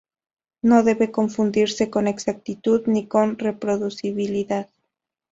No debe confundirse con exactitud ni con reproducibilidad.